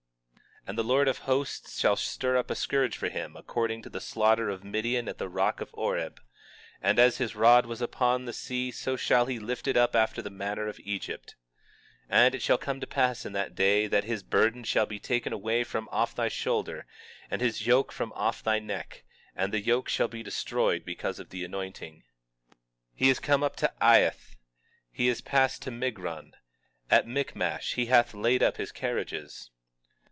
20:26 And the Lord of Hosts shall stir up a scourge for him according to the slaughter of Midian at the rock of Oreb; and as his rod was upon the sea so shall he lift it up after the manner of Egypt. 20:27 And it shall come to pass in that day that his burden shall be taken away from off thy shoulder, and his yoke from off thy neck, and the yoke shall be destroyed because of the anointing. 20:28 He is come to Aiath, he is passed to Migron; at Michmash he hath laid up his carriages.